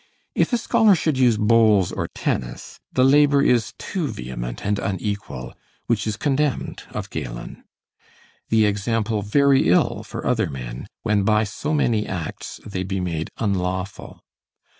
If a scholar should use bowls or tennis, the labor is too vehement and unequal, which is condemned of Galen; the example very ill for other men, when by so many acts they be made unlawful.